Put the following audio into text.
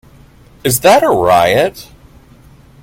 Is That a Riot?